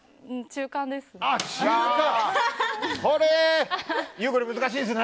中間です。